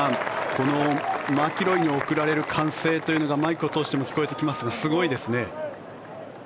このマキロイに送られる歓声というのがマイクを通しても聞こえてきますがすごいですね。